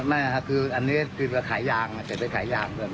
ไม่ค่ะคืออันนี้คือขายยางจะไปขายยาง